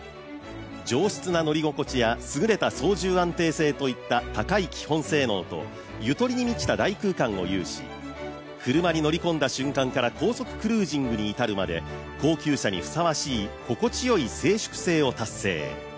上質な乗り心地や、すぐれた操縦安定性といった高い基本性能とゆとりに満ちた大空間を有し車に乗り込んだ瞬間から高速クルージングに至るまで高級車にふさわしい心地よい静粛性を達成。